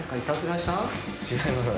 違いますよ。